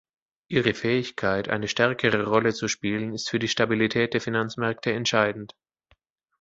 Ihre Fähigkeit, eine stärkere Rolle zu spielen, ist für die Stabilität der Finanzmärkte entscheidend.